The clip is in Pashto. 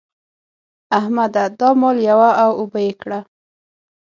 احمده! دا مال یوه او اوبه يې کړه.